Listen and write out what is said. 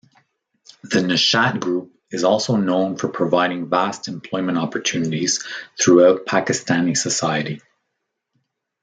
The Nishat Group is also known for providing vast employment opportunities throughout Pakistani society.